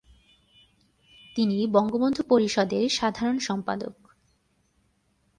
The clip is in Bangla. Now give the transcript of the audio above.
তিনি বঙ্গবন্ধু পরিষদের সাধারণ সম্পাদক।